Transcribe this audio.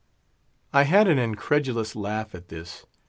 I had an incredulous laugh at this.